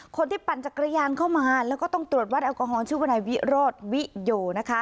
ปั่นจักรยานเข้ามาแล้วก็ต้องตรวจวัดแอลกอฮอลชื่อวนายวิโรธวิโยนะคะ